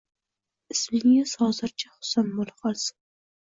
Ismingiz hozircha Husan bo`laqolsin